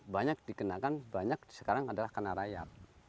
banyak dikenakan banyak sekarang adalah karena rayap